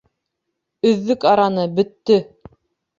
Өҙҙөк араны, бөттө!..